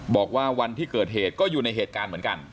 บอกว่าวันที่เกิดเหตุก็อยู่ในเหตุการณ์เหมือนกัน